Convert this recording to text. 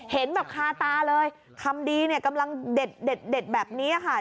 เห็นแบบคาตาเลยคำดีเนี่ยกำลังเด็ดแบบนี้ค่ะ